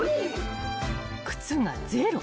［靴がゼロ］